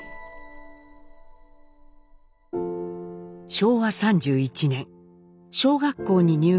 昭和３１年小学校に入学したひろし。